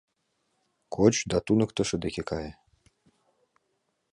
Коч да туныктышо деке кае.